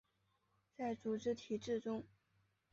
在组织体制中